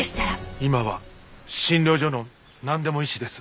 今は診療所のなんでも医師です。